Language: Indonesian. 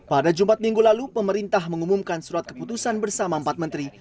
pada jumat minggu lalu pemerintah mengumumkan surat keputusan bersama empat menteri